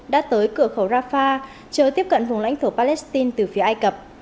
đã tới cửa khẩu rafah chờ tiếp cận vùng lãnh thổ palestine từ phía ai cập